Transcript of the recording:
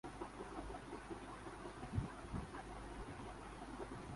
তার প্রাথমিক শিক্ষা ডক্টর আর্নেস্ট অ্যাডাম পরিচালিত ভিক্টোরিয়া পার্কের একটি বেসরকারি স্কুলে।